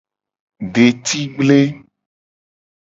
Detigble.